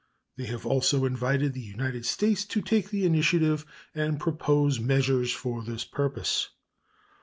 They have also invited the United States to take the initiative and propose measures for this purpose.